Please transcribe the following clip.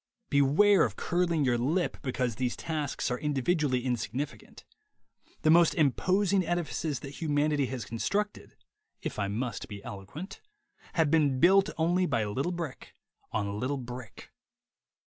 Beware of curling your lip because these tasks are individually insignificant. The most imposing edifices that humanity has constructed (if I must be eloquent) have been built only by little brick on little brick.